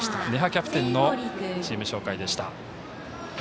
キャプテンのチーム紹介です。